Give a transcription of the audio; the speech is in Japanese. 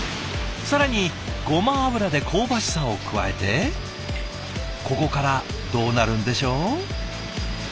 更にごま油で香ばしさを加えてここからどうなるんでしょう？